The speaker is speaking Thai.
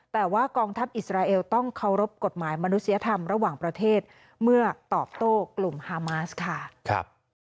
แต่ว่ากองทัพอิสราเอลต้องเคารพกฎหมายมนุษยธรรมระหว่างประเทศเมื่อตอบโต้กลุ่มฮามาสค่ะ